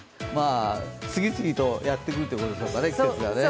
次々とやってくるってことでしょうかね、季節がね。